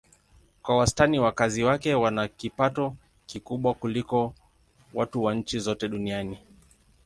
Kwa wastani wakazi wake wana kipato kikubwa kuliko watu wa nchi zote duniani.